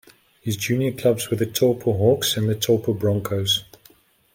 His junior clubs were the Taupo Hawks and Taupo Broncos.